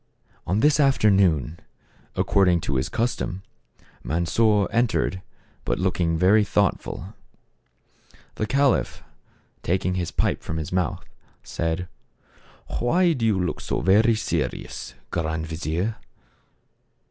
On this afternoon, according to his custom, Mansor entered, but looking very thoughtful. The caliph, taking his pipe from his mouth, said, " Why do you look so very serious, Grand vizier